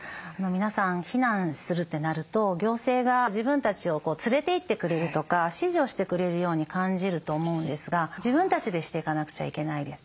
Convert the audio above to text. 皆さん避難するってなると行政が自分たちを連れていってくれるとか指示をしてくれるように感じると思うんですが自分たちでしていかなくちゃいけないです。